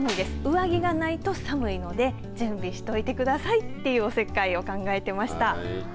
上着がないと寒いので準備しといてくださいというおせっかいを考えていました。